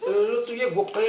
eh lu tuh ya gue keliru